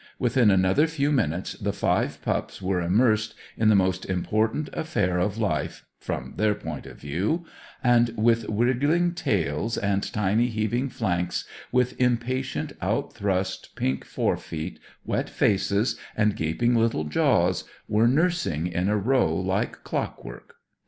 Within another few minutes the five pups were immersed in the most important affair of life (from their point of view) and, with wriggling tails and tiny, heaving flanks, with impatient, out thrust, pink fore feet, wet faces, and gaping little jaws, were nursing in a row like clock work.